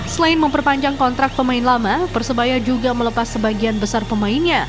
selain memperpanjang kontrak pemain lama persebaya juga melepas sebagian besar pemainnya